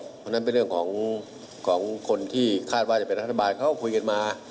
เพราะฉะนั้นเป็นเรื่องของคนที่คาดว่าจะเป็นรัฐบาลเขาก็คุยกันมา